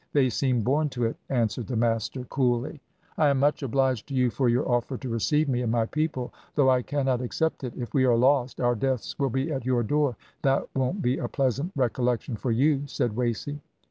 They seem born to it,' answered the master coolly. "`I am much obliged to you for your offer to receive me and my people, though I cannot accept it. If we are lost, our deaths will be at your door; that won't be a pleasant recollection for you,' said Wasey.